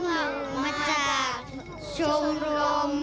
พวกหนูจะแสดงถวายในหลวงรัชกาลที่๙อย่างน้อย